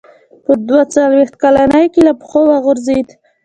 په دوه څلوېښت کلنۍ کې له پښو وغورځېد.